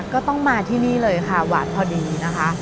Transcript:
ก็ต้องมาที่นี่เลยค่ะหวานพอดีนะคะ